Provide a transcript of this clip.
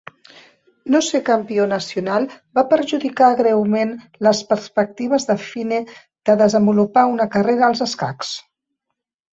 No ser campió nacional va perjudicar greument les perspectives de Fine de desenvolupar una carrera als escacs.